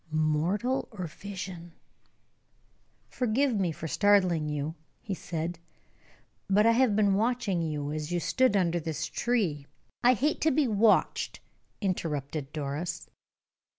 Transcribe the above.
Mortal or vision?" "Forgive me for startling you," he said; "but I have been watching you as you stood under this tree " "I hate to be watched," interrupted Doris.